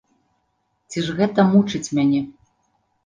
Ці ж гэта мучыць мяне?